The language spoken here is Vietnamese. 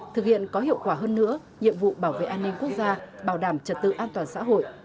thực hiện có hiệu quả hơn nữa nhiệm vụ bảo vệ an ninh quốc gia bảo đảm trật tự an toàn xã hội